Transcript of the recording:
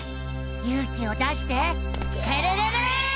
ゆう気を出してスクるるる！